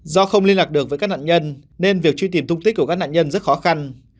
do không liên lạc được với các nạn nhân nên việc truy tìm tung tích của các nạn nhân rất khó khăn